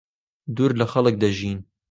دوور لەخەڵک دەژین.